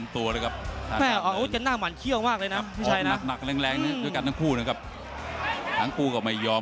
ถวัดกลางคอ